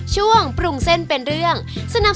สวัสดีครับเชฟปางครับ